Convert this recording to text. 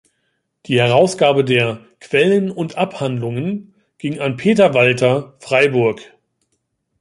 Die Herausgabe der "Quellen und Abhandlungen" ging an Peter Walter, Freiburg.